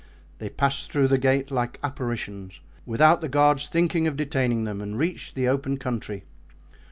They passed through the gate like apparitions, without the guards thinking of detaining them, and reached the open country.